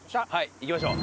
行きましょう。